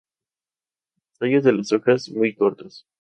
Los tallos de las hojas muy cortos.